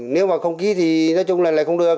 nếu mà không ký thì nói chung là không được